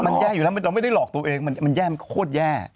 มันแย่อยู่แล้วเราไม่ได้หลอกตัวเองมันแย่มันโคตรแย่